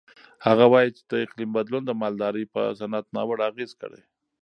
هغه وایي چې د اقلیم بدلون د مالدارۍ په صنعت ناوړه اغېز کړی.